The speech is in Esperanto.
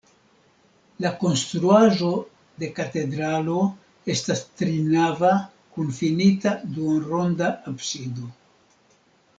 La konstruaĵo de katedralo estas trinava kun finita duonronda absido.